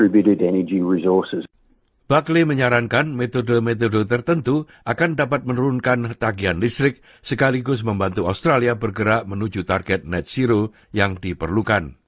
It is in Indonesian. bakli menyarankan metode metode tertentu akan dapat menurunkan tagihan listrik sekaligus membantu australia bergerak menuju target net zero yang diperlukan